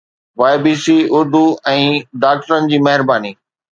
YBC Urdu ۽ ڊاڪٽرن جي مهرباني